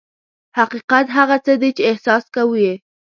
حقیقت هغه څه دي چې احساس کوو یې.